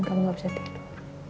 kamu gak bisa tidur